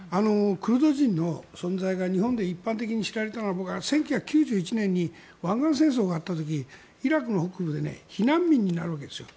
クルド人の存在が日本で一般的に知られたのは１９９１年に湾岸戦争があった時イラクの北部で避難民になるわけですよ。